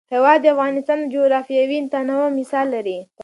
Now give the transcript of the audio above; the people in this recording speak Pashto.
هوا د افغانستان د جغرافیوي تنوع مثال دی.